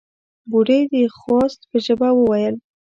بوډۍ د خواست په ژبه وويل: